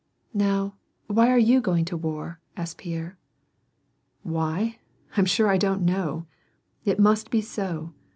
Now, why are you going to w^ar ?" asked Pierre. " Why ? I'm sure I don't know. It must be so.